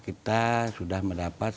kita sudah mendapat